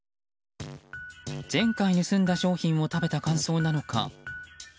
前回盗んだ商品を食べた感想なのか。